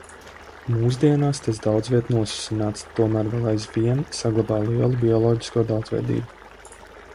Mūsdienās tas daudzviet nosusināts, tomēr vēl aizvien saglabā lielu bioloģisko daudzveidību.